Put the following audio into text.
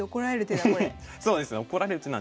そうですね。